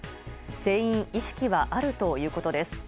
全員意識はあるということです。